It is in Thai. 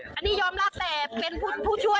จ้ะหนูรักไม่ได้จริงจ้ะหนูรักไม่ได้จริงจ้ะ